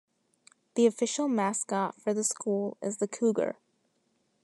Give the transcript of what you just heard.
The official mascot for the school is the cougar.